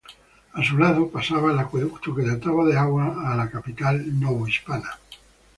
A su lado pasaba el acueducto que dotaba de agua a la capital novohispana.